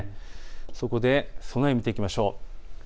そこで備えを見ていきましょう。